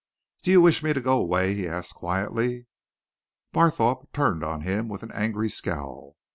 "Do you wish me to go away?" he asked quietly. Barthorpe turned on him with an angry scowl.